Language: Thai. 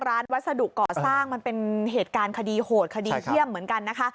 วัสดุเกาะสร้างมันเป็นเหตุการณ์คดีโหดคดีเยี่ยมเหมือนกันนะคะ